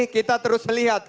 kita terus melihat